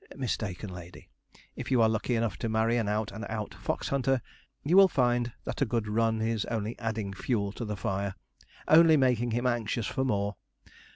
Mistaken lady! If you are lucky enough to marry an out and out fox hunter, you will find that a good run is only adding fuel to the fire, only making him anxious for more.